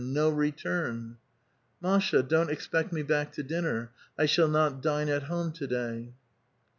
no return !" ^^Masha, don't expect me back to dinner! I shall not dine at home to day."